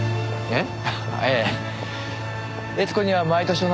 えっ？